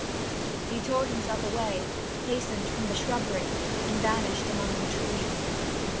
He tore himself away, hastened from the shrubbery, and vanished among the trees.